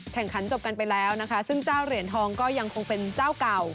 จบกันไปแล้วนะคะซึ่งเจ้าเหรียญทองก็ยังคงเป็นเจ้าเก่า